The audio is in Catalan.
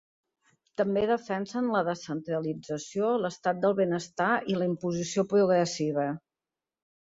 També defensen la descentralització, l'estat del benestar i la imposició progressiva.